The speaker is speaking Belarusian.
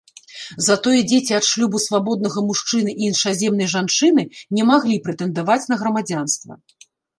Затое дзеці ад шлюбу свабоднага мужчыны і іншаземнай жанчыны не маглі прэтэндаваць на грамадзянства.